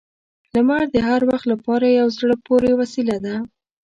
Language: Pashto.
• لمر د هر وخت لپاره یو زړه پورې وسیله ده.